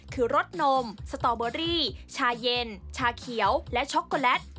คือรสนมสตอเบอรี่ชาเย็นชาเขียวและช็อกโกแลต